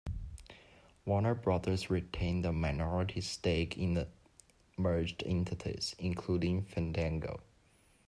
Warner Brothers retained a minority stake in the merged entities, including Fandango.